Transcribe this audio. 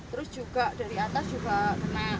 terus juga dari atas juga kena